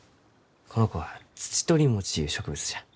この子はツチトリモチゆう植物じゃ。